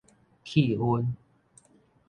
氣氛